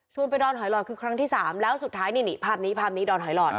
ไปดอนหอยหลอดคือครั้งที่สามแล้วสุดท้ายนี่นี่ภาพนี้ภาพนี้ดอนหอยหลอด